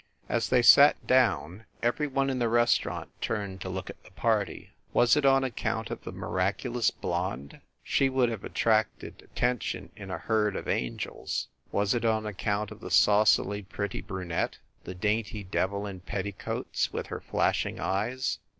As they sat down, every one in the restaurant turned to look at the party. Was it on account of the miraculous blonde? She would have attracted attention in a herd of angels. Was it on account of the saucily pretty brunette, the dainty devil in petti coats, with her flashing eyes